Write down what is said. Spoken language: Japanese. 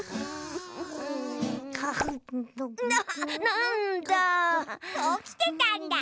なんだ。